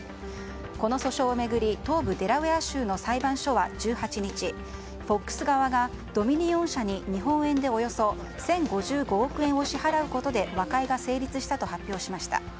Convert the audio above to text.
この訴訟を巡り東部デラウェア州の裁判所は１８日、ＦＯＸ側がドミニオン社に日本円でおよそ１０５５億円を支払うことで和解が成立したと発表しました。